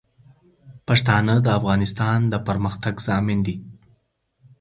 پښتانه د افغانستان د پرمختګ ضامن دي.